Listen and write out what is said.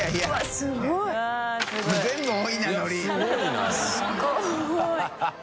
すごい